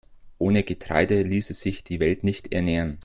Ohne Getreide ließe sich die Welt nicht ernähren.